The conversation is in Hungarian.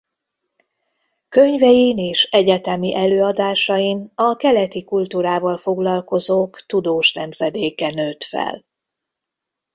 Könyvein és egyetemi előadásain a keleti kultúrával foglalkozók tudós nemzedéke nőtt fel.